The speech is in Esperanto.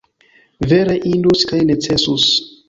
Vere indus kaj necesus!